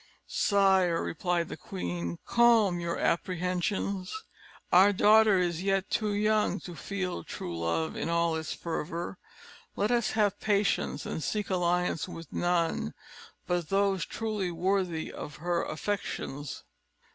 "Sire," replied the queen, "calm your apprehensions. Our daughter is yet too young to feel true love in all its fervour; let us have patience, and seek alliance with none but those truly worthy of her affections."